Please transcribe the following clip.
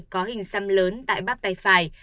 có hình xăm lớn tại bắp tay phải